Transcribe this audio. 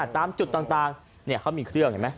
ตามจุดต่างเขามีเครื่องเห็นไหม